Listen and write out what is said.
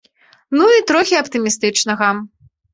Ну і трохі аптымістычнага.